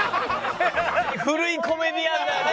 古いコメディアンだね。